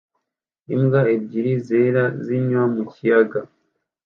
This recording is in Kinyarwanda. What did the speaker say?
Imbwa ebyiri zera zinywa mu kiyaga